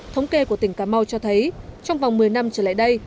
thống kê của tỉnh cà mau cho thấy trong vòng một mươi năm trở lại đây